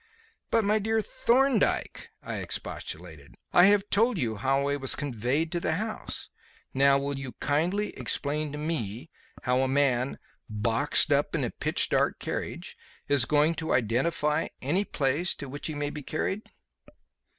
"But, my dear Thorndyke," I expostulated, "I have told you how I was conveyed to the house. Now, will you kindly explain to me how a man, boxed up in a pitch dark carriage, is going to identify any place to which he may be carried?"